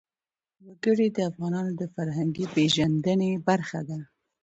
وګړي د افغانانو د فرهنګي پیژندنې برخه ده.